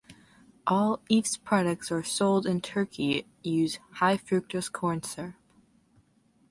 All Efes products sold in Turkey use high fructose corn syrup.